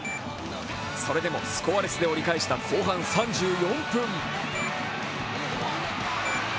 それでもスコアレスで折り返した後半３４分。